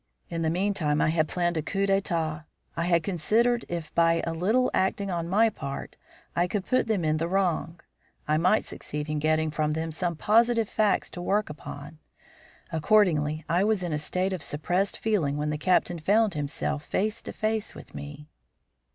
In the meantime I had planned a coup d'etat. I had considered if, by a little acting on my part, I could put them in the wrong, I might succeed in getting from them some positive facts to work upon. Accordingly, I was in a state of suppressed feeling when the Captain found himself face to face with me.